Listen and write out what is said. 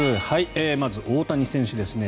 まず、大谷選手ですね。